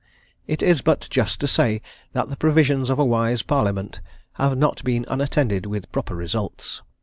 It is but just to say that the provisions of a wise Parliament have not been unattended with proper results.